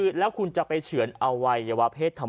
ชาวบ้านญาติโปรดแค้นไปดูภาพบรรยากาศขณะ